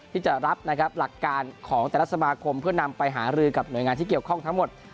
ที่จะรับนะครับหลักการของแต่ละสมาคมเพื่อนำไปหารือกับหน่วยงานที่เกี่ยวข้องทั้งหมด